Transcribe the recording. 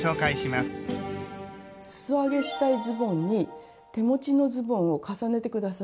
すそ上げしたいズボンに手持ちのズボンを重ねて下さい。